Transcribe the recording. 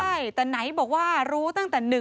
ใช่แต่ไหนบอกว่ารู้ตั้งแต่๑๕